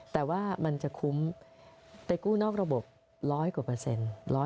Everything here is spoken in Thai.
แต่ว่ามันจะคุ้มไปกู้นอกระบบ๑๐๐กว่าเปอร์เซ็นต์